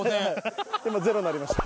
今０になりました。